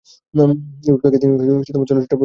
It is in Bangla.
ইউরোপ থেকেই তিনি চলচ্চিত্র পরিচালনা অব্যাহত রাখেন।